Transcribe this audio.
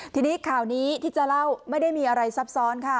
ทีนี้ข่าวนี้ที่จะเล่าไม่ได้มีอะไรซับซ้อนค่ะ